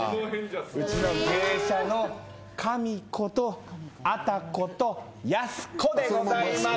うちの芸者のかみ子とアタ子とやす子でございます。